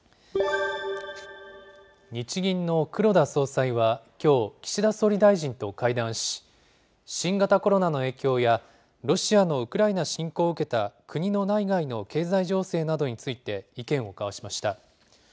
日銀の黒田総裁はきょう、岸田総理大臣と会談し、新型コロナの影響や、ロシアのウクライナ侵攻を受けた国の内外の経済情勢などについて、意見を交わしました。